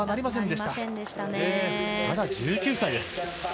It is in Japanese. まだ１９歳です。